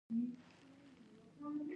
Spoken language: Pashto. نجلۍ د رڼا پېغام ده.